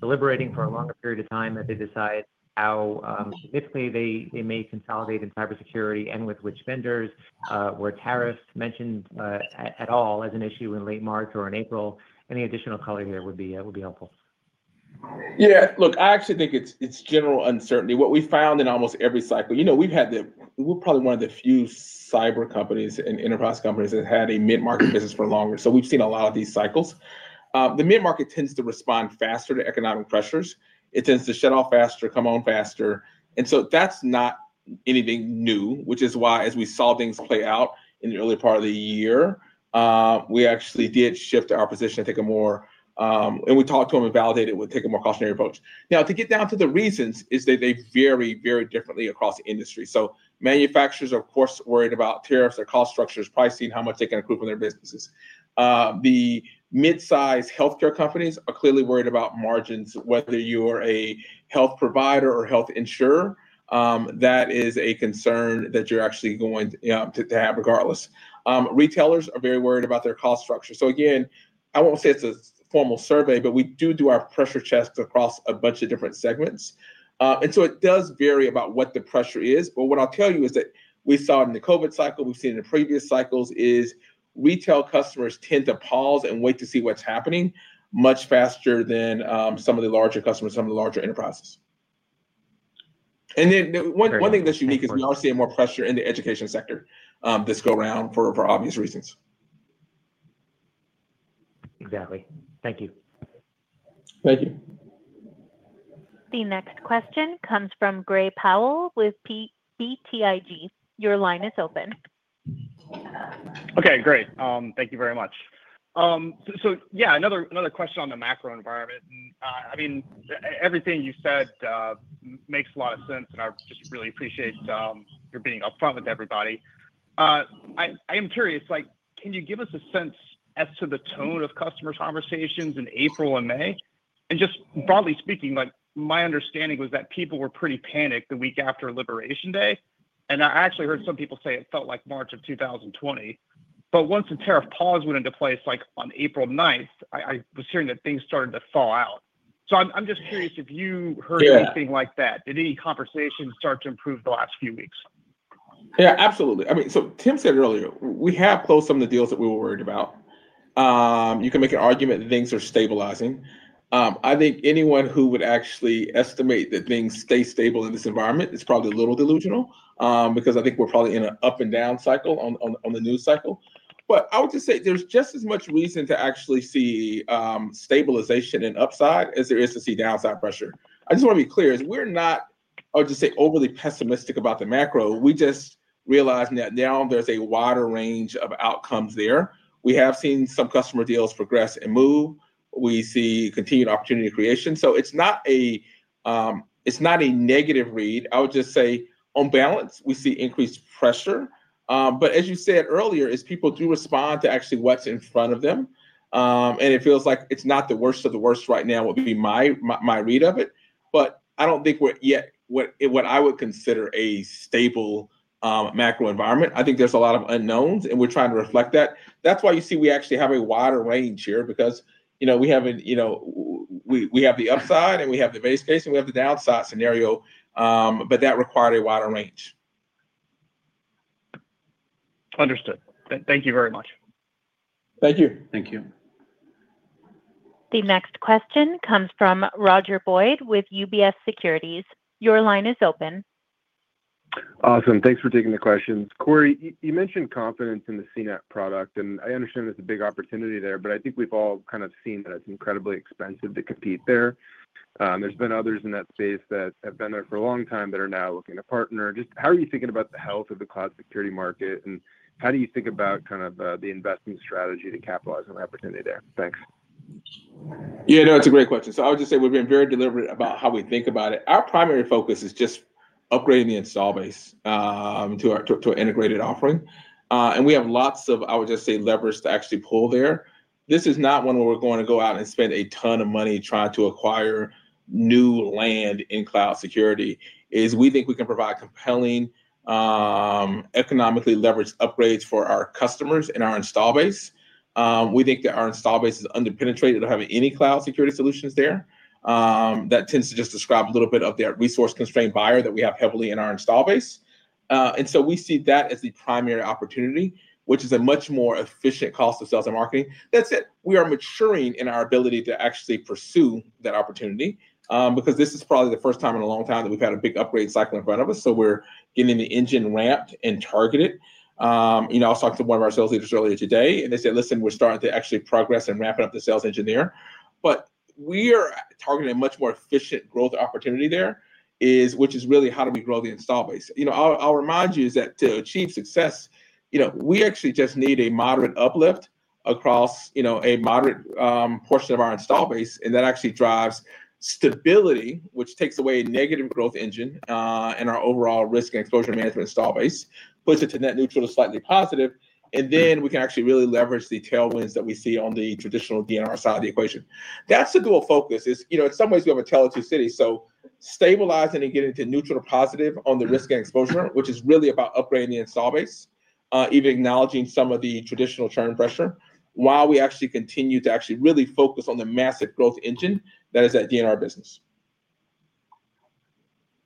deliberating for a longer period of time as they decide how significantly they may consolidate in cybersecurity and with which vendors? Were tariffs mentioned at all as an issue in late March or in April? Any additional color here would be helpful. Yeah. Look, I actually think it's general uncertainty. What we found in almost every cycle, we've had the—we're probably one of the few cyber companies and enterprise companies that had a mid-market business for longer. So we've seen a lot of these cycles. The mid-market tends to respond faster to economic pressures. It tends to shut off faster, come on faster. That is not anything new, which is why, as we saw things play out in the early part of the year, we actually did shift our position to take a more— and we talked to them and validated it would take a more cautionary approach. Now, to get down to the reasons is that they vary very differently across the industry. Manufacturers are, of course, worried about tariffs, their cost structures, pricing, how much they can accrue from their businesses. The mid-size healthcare companies are clearly worried about margins, whether you are a health provider or health insurer. That is a concern that you are actually going to have regardless. Retailers are very worried about their cost structure. Again, I will not say it is a formal survey, but we do do our pressure checks across a bunch of different segments. It does vary about what the pressure is. What I'll tell you is that we saw in the COVID cycle, we've seen in previous cycles, is retail customers tend to pause and wait to see what's happening much faster than some of the larger customers, some of the larger enterprises. One thing that's unique is we are seeing more pressure in the education sector this go around for obvious reasons. Exactly. Thank you. Thank you. The next question comes from Gray Powell with BTIG. Your line is open. Okay. Great. Thank you very much. Yeah, another question on the macro environment. I mean, everything you said makes a lot of sense, and I just really appreciate your being upfront with everybody. I am curious, can you give us a sense as to the tone of customer conversations in April and May? Just broadly speaking, my understanding was that people were pretty panicked the week after Liberation Day. I actually heard some people say it felt like March of 2020. Once the tariff pause went into place on April 9th, I was hearing that things started to fall out. I am just curious if you heard anything like that. Did any conversations start to improve the last few weeks? Yeah, absolutely. I mean, Tim said earlier, we have closed some of the deals that we were worried about. You can make an argument that things are stabilizing. I think anyone who would actually estimate that things stay stable in this environment is probably a little delusional because I think we are probably in an up and down cycle on the news cycle. I would just say there's just as much reason to actually see stabilization and upside as there is to see downside pressure. I just want to be clear as we're not, I would just say, overly pessimistic about the macro. We just realize that now there's a wider range of outcomes there. We have seen some customer deals progress and move. We see continued opportunity creation. It's not a negative read. I would just say, on balance, we see increased pressure. As you said earlier, as people do respond to actually what's in front of them, it feels like it's not the worst of the worst right now would be my read of it. I don't think we're yet what I would consider a stable macro environment. I think there's a lot of unknowns, and we're trying to reflect that. That's why you see we actually have a wider range here because we have the upside, and we have the base case, and we have the downside scenario, but that required a wider range. Understood. Thank you very much. Thank you. Thank you. The next question comes from Roger Boyd with UBS Securities. Your line is open. Awesome. Thanks for taking the questions. Corey, you mentioned confidence in the CNAPP product, and I understand there's a big opportunity there, but I think we've all kind of seen that it's incredibly expensive to compete there. There's been others in that space that have been there for a long time that are now looking to partner. Just how are you thinking about the health of the cloud security market, and how do you think about kind of the investment strategy to capitalize on the opportunity there? Thanks. Yeah, no, it's a great question. I would just say we've been very deliberate about how we think about it. Our primary focus is just upgrading the install base to an integrated offering. We have lots of, I would just say, leverage to actually pull there. This is not one where we're going to go out and spend a ton of money trying to acquire new land in cloud security. We think we can provide compelling economically leveraged upgrades for our customers and our install base. We think that our install base is underpenetrated of having any cloud security solutions there. That tends to just describe a little bit of that resource-constrained buyer that we have heavily in our install base. We see that as the primary opportunity, which is a much more efficient cost of sales and marketing. That's it. We are maturing in our ability to actually pursue that opportunity because this is probably the first time in a long time that we've had a big upgrade cycle in front of us. We are getting the engine ramped and targeted. I was talking to one of our sales leaders earlier today, and they said, "Listen, we're starting to actually progress and ramp it up the sales engineer." We are targeting a much more efficient growth opportunity there, which is really how do we grow the install base. I'll remind you is that to achieve success, we actually just need a moderate uplift across a moderate portion of our install base. That actually drives stability, which takes away negative growth engine and our overall risk and exposure management install base, puts it to net neutral to slightly positive. We can actually really leverage the tailwinds that we see on the traditional DNR side of the equation. That is the dual focus. In some ways, we have a talented city. Stabilizing and getting to neutral to positive on the risk and exposure, which is really about upgrading the install base, even acknowledging some of the traditional churn pressure, while we actually continue to actually really focus on the massive growth engine that is that DNR business.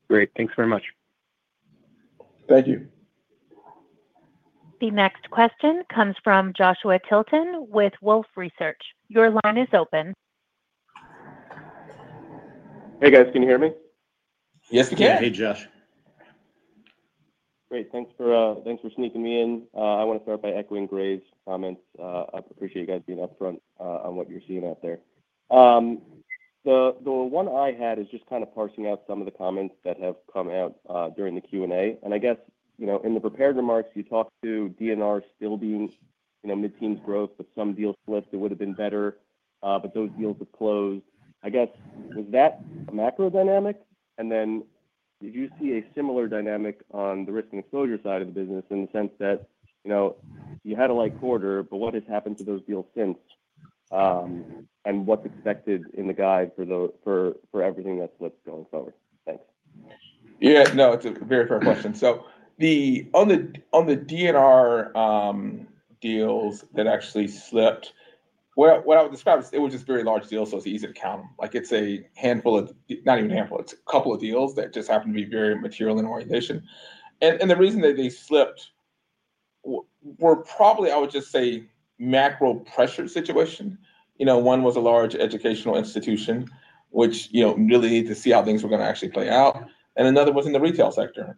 Great. Thanks very much. Thank you. The next question comes from Joshua Tilton with Wolfe Research. Your line is open. Hey, guys. Can you hear me? Yes, we can. Hey, Josh. Great. Thanks for sneaking me in. I want to start by echoing Gray's comments. I appreciate you guys being upfront on what you're seeing out there. The one I had is just kind of parsing out some of the comments that have come out during the Q&A. I guess in the prepared remarks, you talked to DNR still being mid-teens growth, but some deals listed would have been better, but those deals have closed. I guess, was that a macro dynamic? Did you see a similar dynamic on the risk and exposure side of the business in the sense that you had a light quarter, but what has happened to those deals since? What's expected in the guide for everything that slips going forward? Thanks. Yeah. No, it's a very fair question. On the DNR deals that actually slipped, what I would describe is it was just very large deals, so it's easy to count. It's a handful of, not even a handful. It's a couple of deals that just happened to be very material in orientation. The reason that they slipped were probably, I would just say, macro pressure situation. One was a large educational institution, which really needed to see how things were going to actually play out. Another was in the retail sector.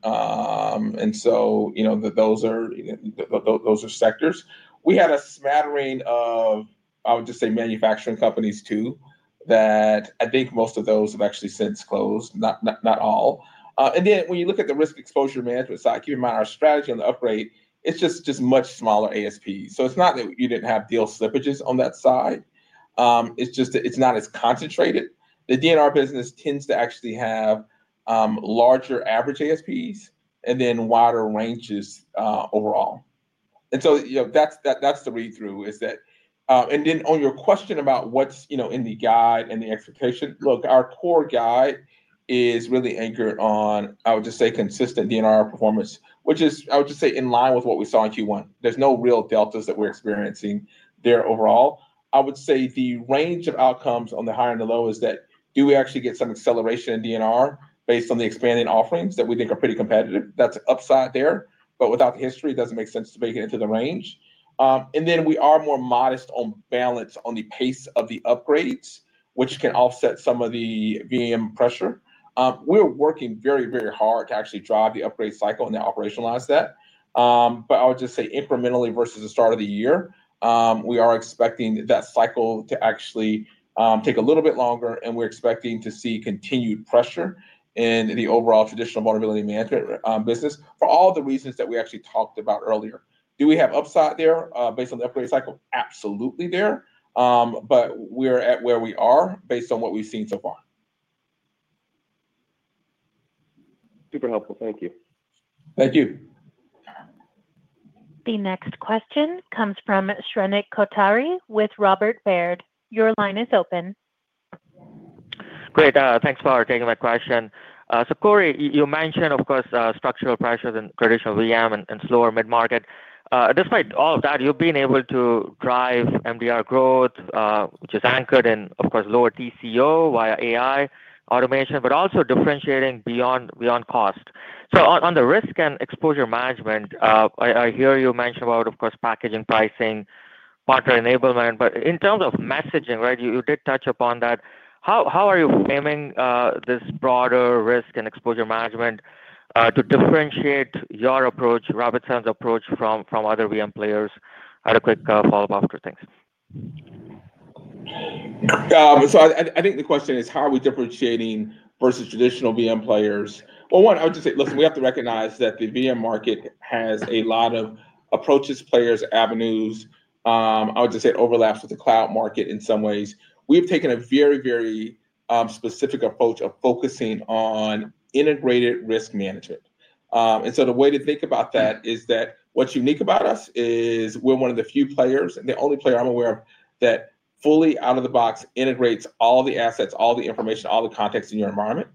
Those are sectors. We had a smattering of, I would just say, manufacturing companies too that I think most of those have actually since closed, not all. When you look at the risk exposure management side, keep in mind our strategy on the upgrade, it's just much smaller ASPs. It's not that you didn't have deal slippages on that side. It's just that it's not as concentrated. The DNR business tends to actually have larger average ASPs and then wider ranges overall. That's the read-through is that. On your question about what's in the guide and the expectation, look, our core guide is really anchored on, I would just say, consistent DNR performance, which is, I would just say, in line with what we saw in Q1. There are no real deltas that we're experiencing there overall. I would say the range of outcomes on the higher and the low is that do we actually get some acceleration in DNR based on the expanding offerings that we think are pretty competitive? That's upside there. Without the history, it does not make sense to make it into the range. We are more modest on balance on the pace of the upgrades, which can offset some of the VM pressure. We're working very, very hard to actually drive the upgrade cycle and operationalize that. I would just say incrementally versus the start of the year, we are expecting that cycle to actually take a little bit longer, and we're expecting to see continued pressure in the overall traditional vulnerability management business for all the reasons that we actually talked about earlier. Do we have upside there based on the upgrade cycle? Absolutely there. But we're at where we are based on what we've seen so far. Super helpful. Thank you. Thank you. The next question comes from Shrenik Kotari with Robert Baird. Your line is open. Great. Thanks for taking my question. Cory, you mentioned, of course, structural pressures in traditional VM and slower mid-market. Despite all of that, you've been able to drive MDR growth, which is anchored in, of course, lower TCO via AI automation, but also differentiating beyond cost. On the risk and exposure management, I hear you mentioned about, of course, packaging, pricing, partner enablement. In terms of messaging, right, you did touch upon that. How are you framing this broader risk and exposure management to differentiate your approach, Rapid7's approach, from other VM players? Had a quick follow-up after things. I think the question is, how are we differentiating versus traditional VM players? One, I would just say, listen, we have to recognize that the VM market has a lot of approaches, players, avenues. I would just say it overlaps with the cloud market in some ways. We've taken a very, very specific approach of focusing on integrated risk management. The way to think about that is that what's unique about us is we're one of the few players, and the only player I'm aware of that fully out of the box integrates all the assets, all the information, all the context in your environment.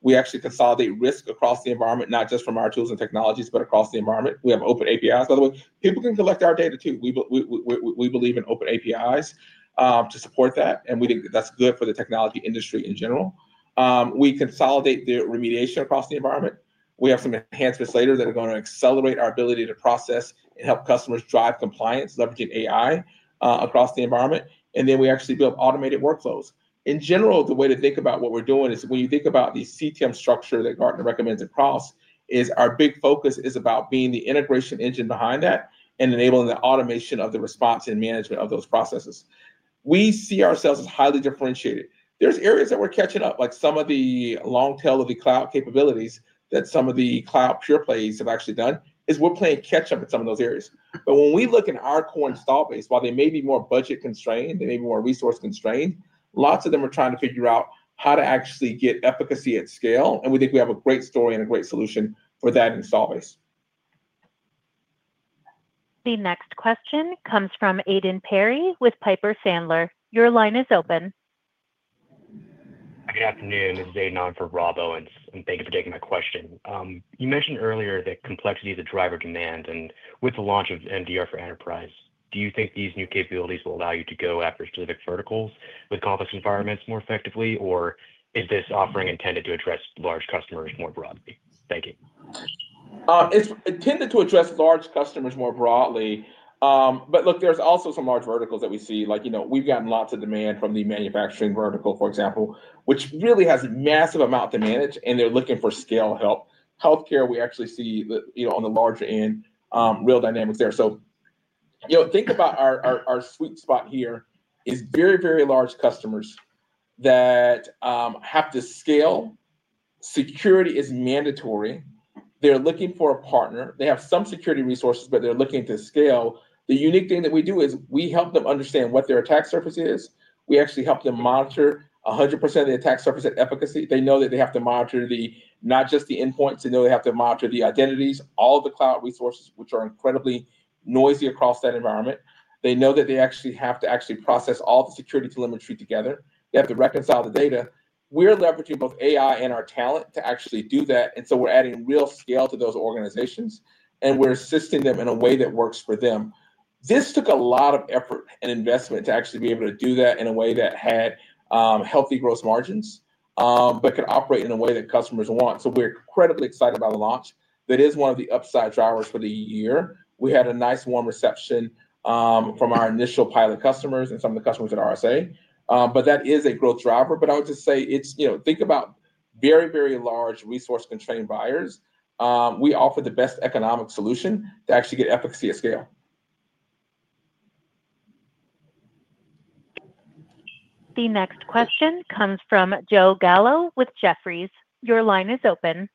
We actually consolidate risk across the environment, not just from our tools and technologies, but across the environment. We have open APIs. By the way, people can collect our data too. We believe in open APIs to support that, and that's good for the technology industry in general. We consolidate the remediation across the environment. We have some enhancements later that are going to accelerate our ability to process and help customers drive compliance, leveraging AI across the environment. We actually build automated workflows. In general, the way to think about what we're doing is when you think about the CTEM structure that Gartner recommends across, our big focus is about being the integration engine behind that and enabling the automation of the response and management of those processes. We see ourselves as highly differentiated. There are areas that we're catching up, like some of the long tail of the cloud capabilities that some of the cloud pure plays have actually done, as we're playing catch up in some of those areas. When we look in our core install base, while they may be more budget constrained, they may be more resource constrained, lots of them are trying to figure out how to actually get efficacy at scale. We think we have a great story and a great solution for that install base. The next question comes from Aiden Perry with Piper Sandler. Your line is open. Good afternoon. This is Aiden for Rob Owens. Thank you for taking my question. You mentioned earlier that complexity is a driver of demand. With the launch of MDR for enterprise, do you think these new capabilities will allow you to go after specific verticals with complex environments more effectively, or is this offering intended to address large customers more broadly? Thank you. It's intended to address large customers more broadly. There are also some large verticals that we see. We've gotten lots of demand from the manufacturing vertical, for example, which really has a massive amount to manage, and they're looking for scale help. Healthcare, we actually see on the larger end, real dynamics there. Think about our sweet spot here as very, very large customers that have to scale. Security is mandatory. They're looking for a partner. They have some security resources, but they're looking to scale. The unique thing that we do is we help them understand what their attack surface is. We actually help them monitor 100% of the attack surface at efficacy. They know that they have to monitor not just the endpoints. They know they have to monitor the identities, all the cloud resources, which are incredibly noisy across that environment. They know that they actually have to process all the security telemetry together. They have to reconcile the data. We're leveraging both AI and our talent to actually do that. We're adding real scale to those organizations, and we're assisting them in a way that works for them. This took a lot of effort and investment to actually be able to do that in a way that had healthy gross margins but could operate in a way that customers want. We are incredibly excited about the launch. That is one of the upside drivers for the year. We had a nice warm reception from our initial pilot customers and some of the customers at RSA. That is a growth driver. I would just say think about very, very large resource-constrained buyers. We offer the best economic solution to actually get efficacy at scale. The next question comes from Joe Gallo with Jefferies. Your line is open.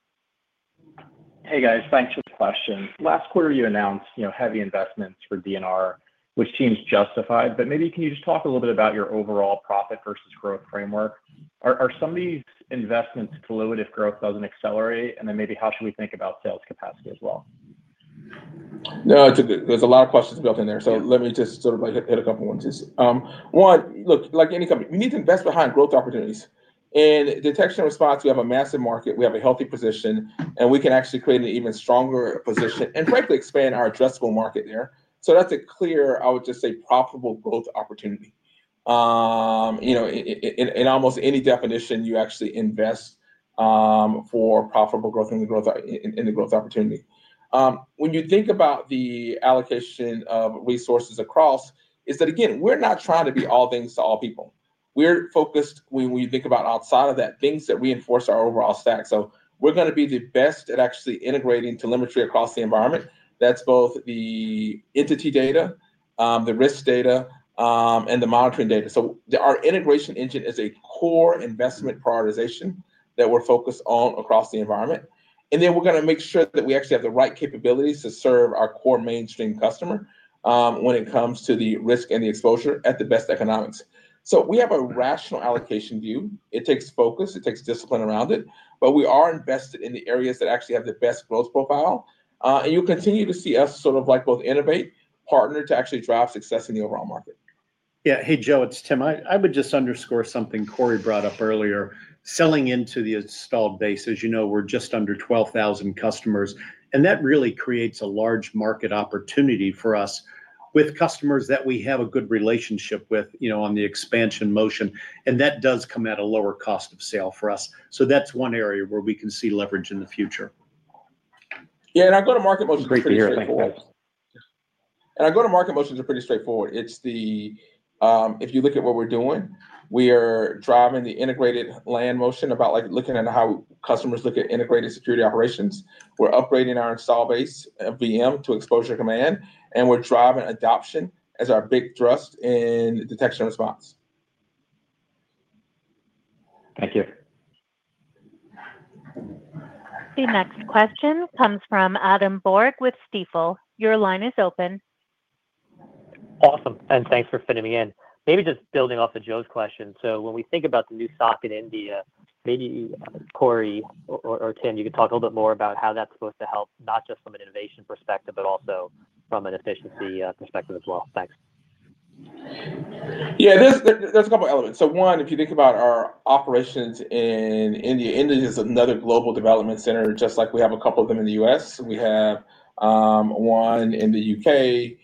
Hey, guys. Thanks for the question. Last quarter, you announced heavy investments for DNR, which seems justified. Maybe can you just talk a little bit about your overall profit versus growth framework? Are some of these investments fluid if growth doesn't accelerate? And then maybe how should we think about sales capacity as well? No, there's a lot of questions built in there. Let me just sort of hit a couple of ones. One, look, like any company, we need to invest behind growth opportunities. In detection and response, we have a massive market. We have a healthy position, and we can actually create an even stronger position and, frankly, expand our addressable market there. That's a clear, I would just say, profitable growth opportunity. In almost any definition, you actually invest for profitable growth in the growth opportunity. When you think about the allocation of resources across, again, we're not trying to be all things to all people. We're focused, when we think about outside of that, on things that reinforce our overall stack. We're going to be the best at actually integrating telemetry across the environment. That's both the entity data, the risk data, and the monitoring data. Our integration engine is a core investment prioritization that we're focused on across the environment. We're going to make sure that we actually have the right capabilities to serve our core mainstream customer when it comes to the risk and the exposure at the best economics. We have a rational allocation view. It takes focus. It takes discipline around it. We are invested in the areas that actually have the best growth profile. You'll continue to see us sort of both innovate, partner to actually drive success in the overall market. Yeah. Hey, Joe, it's Tim. I would just underscore something Corey brought up earlier. Selling into the installed base, as you know, we're just under 12,000 customers. That really creates a large market opportunity for us with customers that we have a good relationship with on the expansion motion. That does come at a lower cost of sale for us. That's one area where we can see leverage in the future. Yeah. Our go to market motions are pretty straightforward. If you look at what we're doing, we are driving the integrated land motion, about looking at how customers look at integrated security operations. We're upgrading our install base of VM to Exposure Command. We're driving adoption as our big thrust in detection and response. Thank you. The next question comes from Adam Borg with Stifel. Your line is open. Awesome. Thanks for fitting me in. Maybe just building off of Joe's question. When we think about the new SOC in India, maybe Corey or Tim, you could talk a little bit more about how that's supposed to help, not just from an innovation perspective, but also from an efficiency perspective as well. Thanks. Yeah. There's a couple of elements. One, if you think about our operations in India, India is another global development center, just like we have a couple of them in the U.S. We have one in the U.K.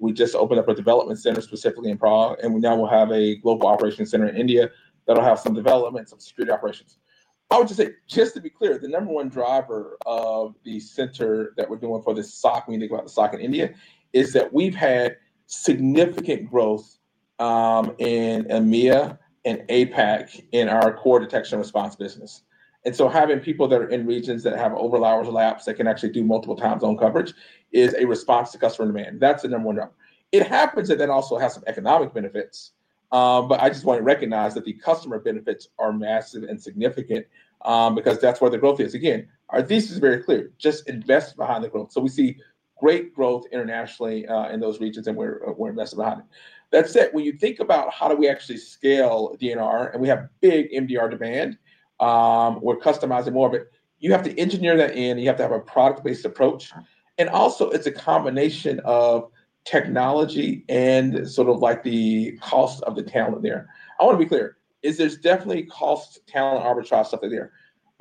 We just opened up a development center specifically in Prague. Now we'll have a global operations center in India that'll have some development, some security operations. I would just say, just to be clear, the number one driver of the center that we're doing for the SOC, when you think about the SOC in India, is that we've had significant growth in EMEA and APAC in our core detection and response business. Having people that are in regions that have overall hours of lapse that can actually do multiple times on coverage is a response to customer demand. That's the number one driver. It happens that that also has some economic benefits. I just want to recognize that the customer benefits are massive and significant because that's where the growth is. Again, our thesis is very clear. Just invest behind the growth. We see great growth internationally in those regions and we're invested behind it. That said, when you think about how do we actually scale DNR, and we have big MDR demand, we're customizing more of it. You have to engineer that in. You have to have a product-based approach. Also, it's a combination of technology and sort of the cost of the talent there. I want to be clear. There's definitely cost, talent, arbitrage stuff in there.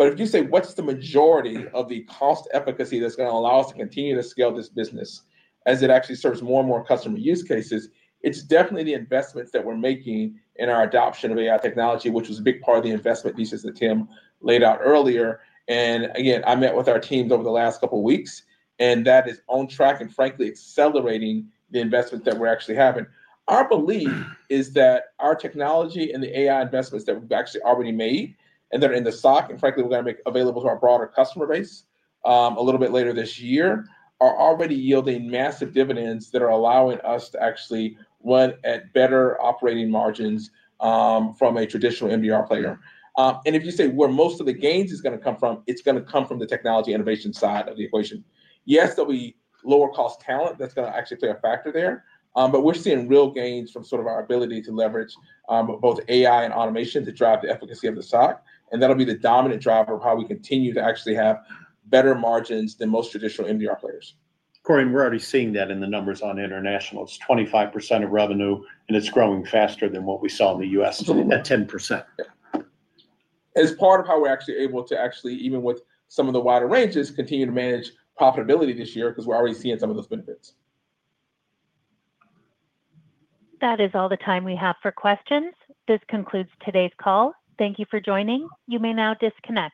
If you say, "What's the majority of the cost efficacy that's going to allow us to continue to scale this business as it actually serves more and more customer use cases?" it's definitely the investments that we're making in our adoption of AI technology, which was a big part of the investment thesis that Tim laid out earlier. Again, I met with our teams over the last couple of weeks. That is on track and frankly accelerating the investments that we're actually having. Our belief is that our technology and the AI investments that we've actually already made and that are in the SOC, and frankly, we're going to make available to our broader customer base a little bit later this year, are already yielding massive dividends that are allowing us to actually run at better operating margins from a traditional MDR player. If you say where most of the gains is going to come from, it's going to come from the technology innovation side of the equation. Yes, there'll be lower cost talent that's going to actually play a factor there. We are seeing real gains from sort of our ability to leverage both AI and automation to drive the efficacy of the SOC. That will be the dominant driver of how we continue to actually have better margins than most traditional MDR players. Corey, and we're already seeing that in the numbers on international. It's 25% of revenue, and it's growing faster than what we saw in the U.S. It's only at 10%. As part of how we're actually able to actually, even with some of the wider ranges, continue to manage profitability this year because we're already seeing some of those benefits. That is all the time we have for questions. This concludes today's call. Thank you for joining. You may now disconnect.